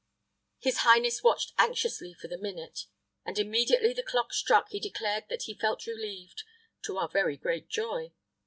His highness watched anxiously for the minute, and immediately the clock struck he declared that he felt relieved, to our very great joy.